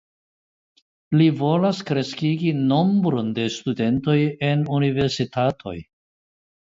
Li volas kreskigi nombron de studentoj en universitatoj.